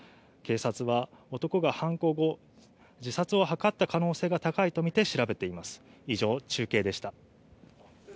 警察は男が犯行後、自殺を図った可能性が高いとみて調べています。